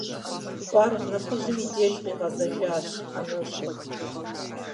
Къуаргъ нэхъыжьым и деж къигъэзэжащ, ӀэнэщӀу.